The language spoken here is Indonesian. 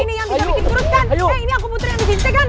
ini yang bisa bikin tirus kan ini aku putri yang disinse kan